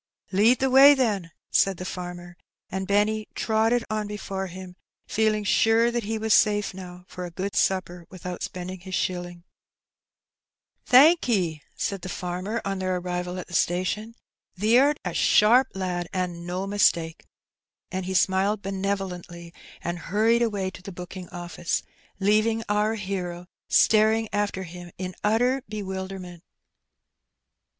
"Lead the way, then," said the farmer; and Benny trotted on before him, feeling sure that he was safe now for a good supper without spending his shilling. 206 Her Benny. '' Thankee/' said the £Etrmer^ on iheir arrival at the station; ''thee 'rt a sharp lad, an' no mistake." And he smiled benevolently, and hnrried away to the booking office, leaving oar hero staring after him in utter bewilderment.